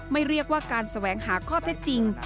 เรียกว่าการแสวงหาข้อเท็จจริง